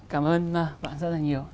cảm ơn bạn rất là nhiều